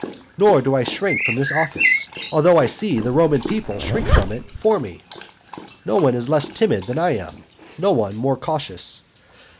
Nor do I shrink from this office; although I see the Roman people shrink from it for me. No one is less timid than I am; no one more cautious.